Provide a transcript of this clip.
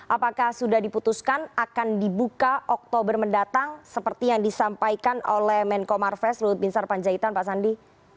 apakah sudah diputuskan akan dibuka oktober mendatang seperti yang disampaikan oleh menko marves luhut bin sarpanjaitan pak sandi